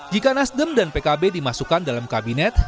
jika nasdem dan pkb dimasukkan dalam kabinet